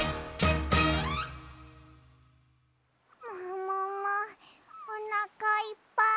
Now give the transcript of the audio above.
もももおなかいっぱい。